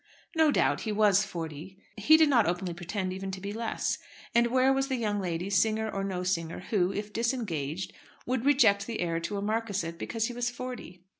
No doubt, he was forty. He did not openly pretend even to be less. And where was the young lady, singer or no singer, who if disengaged, would reject the heir to a marquisate because he was forty?